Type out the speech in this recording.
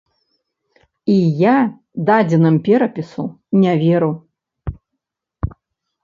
І я дадзеным перапісу не веру.